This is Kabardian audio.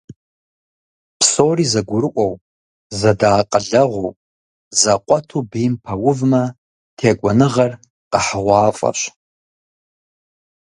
Псори зэгурыӀуэу, зэдэакъылэгъуу, зэкъуэту бийм пэувмэ, текӀуэныгъэр къэхьыгъуафӀэщ.